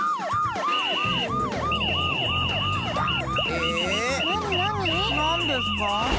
えっ⁉なになに？なんですか？